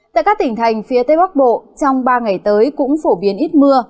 tại các tỉnh thành phía tây bắc bộ trong ba ngày tới cũng phổ biến ít mưa